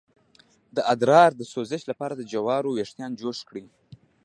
د ادرار د سوزش لپاره د جوارو ویښتان جوش کړئ